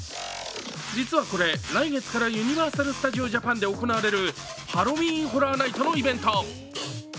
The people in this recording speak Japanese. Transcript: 実はこれ、来月からユニバーサル・スタジオ・ジャパンで行われるハロウィーン・ホラー・ナイトのイベント。